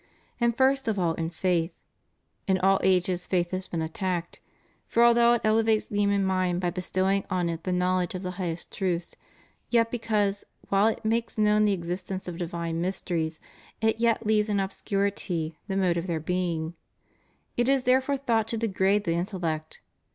And first of all in faith. In all ages faith has been attacked ; for although it elevates the human mind by bestowing on it the knowledge of the highest truths, yet because, while it makes known the existence of divine mysteries, it yet leaves in obscurity the mode of their being, it is therefore thought to degrade the intellect.